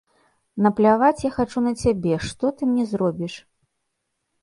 Напляваць я хачу на цябе, што ты мне зробіш?